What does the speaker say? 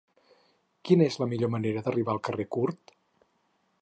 Quina és la millor manera d'arribar al carrer Curt?